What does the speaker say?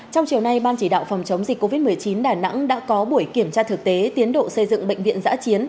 trong chiều nay ban chỉ đạo phòng chống dịch covid một mươi chín đà nẵng đã có buổi kiểm tra thực tế tiến độ xây dựng bệnh viện giã chiến